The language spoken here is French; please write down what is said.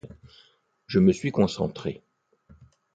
Je me suis concentré.